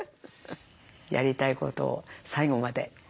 やりたいことを最後まで。